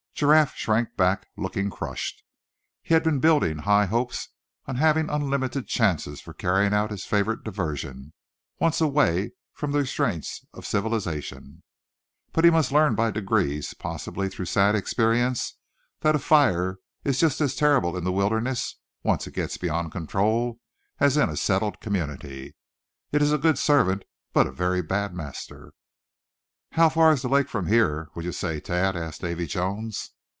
Giraffe shrank back, looking crushed. He had been building high hopes on having unlimited chances for carrying out his favorite diversion, once away from the restraints of civilization. But he must learn by degrees, possibly through sad experience, that a fire is just as terrible in the wilderness, once it gets beyond control, as in a settled community. It is a good servant, but a very bad master. "How far is the lake from here, would you say, Thad?" asked Davy Jones.